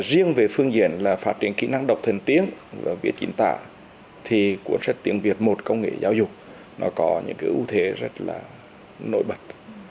riêng về phương diện là phát triển kỹ năng đọc thần tiếng và viết chính tả thì cuốn sách tiếng việt một công nghệ giáo dục nó có những cái ưu thế rất là nổi bật